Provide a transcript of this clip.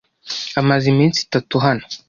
Amaze iminsi itatu hano.